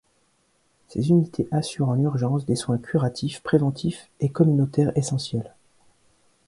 Ces unités assurent en urgence des soins curatifs, préventifs et communautaires essentiels.